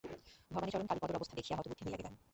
ভবানীচরণ কালীপদর অবস্থা দেখিয়া হতবুদ্ধি হইয়া গেলেন।